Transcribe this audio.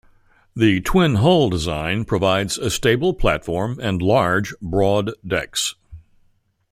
The twin-hull design provides a stable platform and large, broad decks.